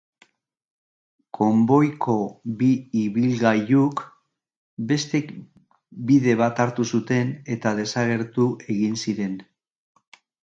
Konboiko bi ibilgailuk beste bide bat hartu zuten eta desagertu egin ziren.